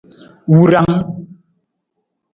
Wurang.